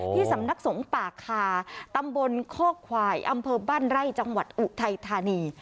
ที่สำนักสงฆ์ป่าคาตำบลโคกควายอำเภอบ้านไร่จังหวัดอุทัยธานี